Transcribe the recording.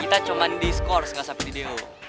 kita cuma di skors nggak sampai di deo